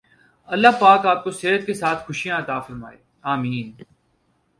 اللہ پاک آپ کو صحت کے ساتھ خوشیاں عطا فرمائے آمین